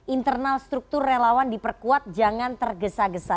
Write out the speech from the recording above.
internal struktur relawan diperkuat jangan tergesa gesa